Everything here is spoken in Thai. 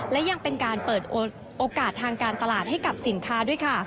และยังเป็นการเปิดโอกาสทางการตลาดให้กับสินค้าด้วยค่ะ